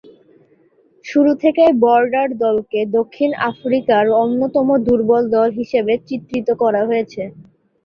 শুরু থেকেই বর্ডার দলকে দক্ষিণ আফ্রিকার অন্যতম দূর্বল দল হিসেবে চিত্রিত করা হয়েছে।